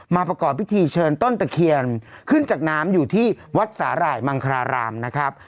ประกอบพิธีเชิญต้นตะเคียนขึ้นจากน้ำอยู่ที่วัดสาหร่ายมังครารามนะครับ